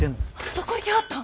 どこ行きはったん？